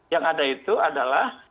yang ada itu adalah